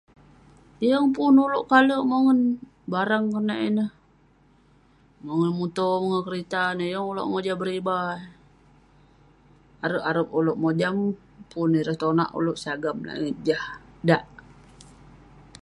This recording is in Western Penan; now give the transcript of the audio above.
Yeng pun ulouk kalek mongen barang konak ineh, mongen muto, mongen kerita ineh..yeng ulouk mojam beriba..arep arep ulouk mojam, pun ireh tonak ulouk sagam langit jah dak